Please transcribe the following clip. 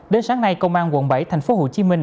đến sáng nay công an quận bảy thành phố hồ chí minh